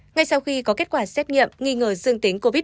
ngay sau khi có kết quả xét nghiệm nghi ngờ dương tính covid một mươi chín